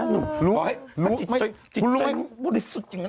แปลกจิตใจมาก